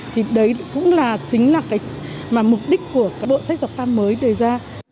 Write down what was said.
thì đấy cũng là chính là cái mục đích của bộ sách giáo khoa mới